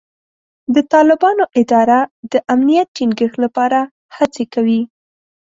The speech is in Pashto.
د طالبانو اداره د امنیت ټینګښت لپاره هڅې کوي.